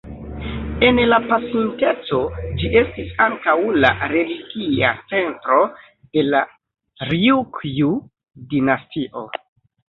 En la pasinteco ĝi estis ankaŭ la religia centro de la Rjukju-dinastio.